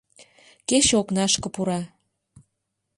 Кече окнашке пура.